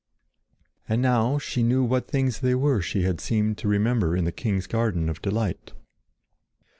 And now she knew what things they were she had seemed to remember in the king's garden of delight.